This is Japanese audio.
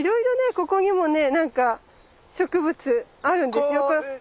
ここにもね何か植物あるんですよ。